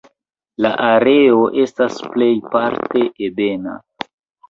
La areo estas plejparte ebena.